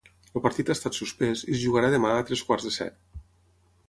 El partit ha estat suspès i es jugarà demà a tres quarts de set.